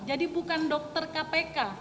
jadi bukan dokter kpk